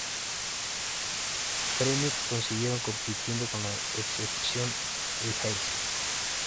Premio que consiguieron compitiendo con La Excepción y Haze.